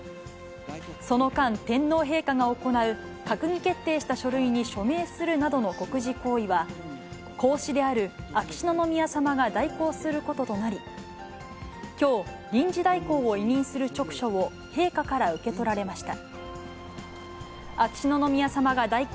その間、天皇陛下が行う閣議決定した書類に署名するなどの国事行為は、皇嗣である秋篠宮さまが代行することとなり、きょう、臨時代行を委任する勅書を陛下から受け取られました。